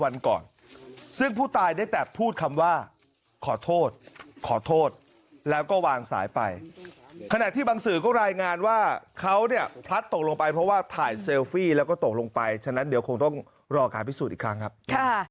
เนี่ยพลัดตกลงไปเพราะว่าถ่ายเซลฟี่แล้วก็ตกลงไปฉะนั้นเดี๋ยวคงต้องรอการพิสูจน์อีกครั้งครับค่ะ